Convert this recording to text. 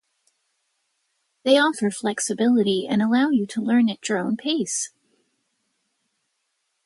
They offer flexibility and allow you to learn at your own pace.